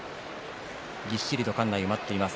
ぎっしりと館内埋まっています。